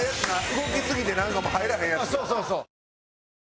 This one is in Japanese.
動きすぎてなんかもう入らへんやつ。